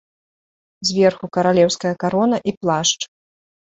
Зверху каралеўская карона і плашч.